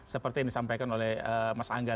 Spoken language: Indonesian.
seperti yang disampaikan oleh mas angga